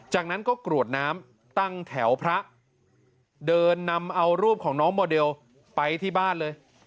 จากนั้นก็กรวดน้ำตั้งแถวพระเดินนำเอารูปของน้องโมเดลไปที่บ้านเลย